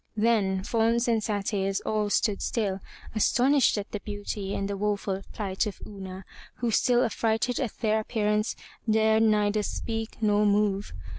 Then Fauns and Satyrs all stood still, astonished at the beauty and the woful plight of Una, who still afrighted at their appear ance, dared neither speak nor move.